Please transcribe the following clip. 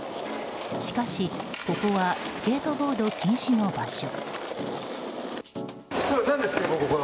しかし、ここはスケートボード禁止の場所。